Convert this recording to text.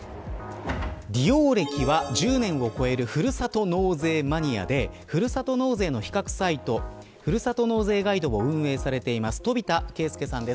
利用歴は１０年を超えるふるさと納税マニアでふるさと納税の比較サイトふるさと納税ガイドを運営されています飛田啓介さんです。